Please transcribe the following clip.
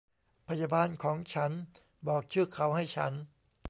พยาบาลของฉันบอกชื่อเขาให้ฉัน